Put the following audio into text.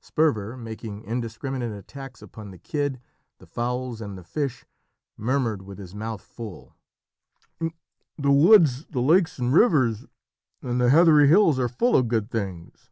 Sperver making indiscriminate attacks upon the kid, the fowls, and the fish, murmured with his mouth full "The woods, the lakes and rivers, and the heathery hills are full of good things!"